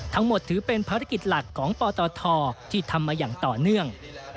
ถือเป็นภารกิจหลักของปตทที่ทำมาอย่างต่อเนื่อง